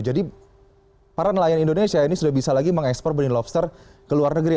jadi para nelayan indonesia ini sudah bisa lagi mengekspor benih lobster ke luar negeri